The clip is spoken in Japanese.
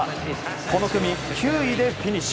この組、９位でフィニッシュ。